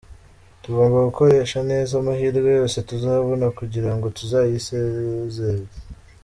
Tugomba gukoresha neza amahirwe yose tuzabona kugira ngo tuzayisezerere.